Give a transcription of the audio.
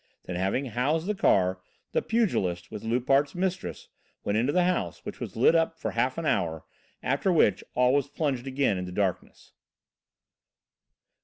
Then, having housed the car, the pugilist, with Loupart's mistress, went into the house, which was lit up for half an hour, after which all was plunged again into darkness.